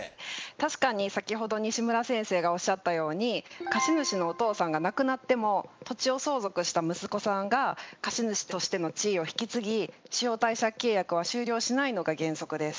確かに先ほど西村先生がおっしゃったように貸主のお父さんが亡くなっても土地を相続した息子さんが貸主としての地位を引き継ぎ使用貸借契約は終了しないのが原則です。